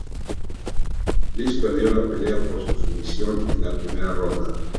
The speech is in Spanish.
Liz perdió la pelea por sumisión en la primera ronda.